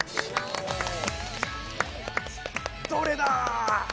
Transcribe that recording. どれだ！